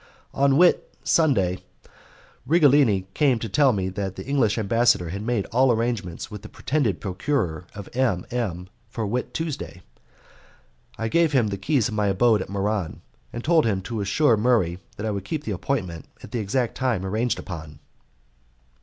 On Whit Sunday Righelini came to tell me that the English ambassador had made all arrangements with the pretended procurer of M. M. for Whit Tuesday. I gave him the keys of my abode at Muran, and told him to assure Murray that I would keep the appointment at the exact time arranged upon.